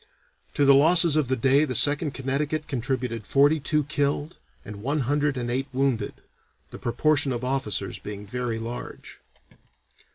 To the losses of the day the Second Connecticut contributed forty two killed and one hundred and eight wounded, the proportion of officers being very large.